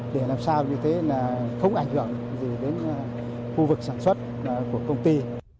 để làm sao như thế là không ảnh hưởng gì đến khu vực sản xuất của công ty